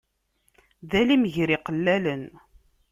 D alim gar iqellalen.